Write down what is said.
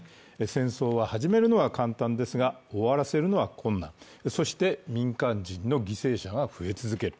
戦争は始めるのは簡単ですが、終わらせるのは困難、そして民間人の犠牲者が増え続ける。